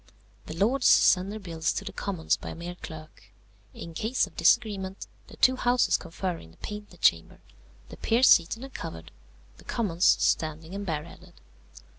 The Lords send their bills to the Commons by a mere clerk. In case of disagreement, the two Houses confer in the Painted Chamber, the Peers seated and covered, the Commons standing and bareheaded.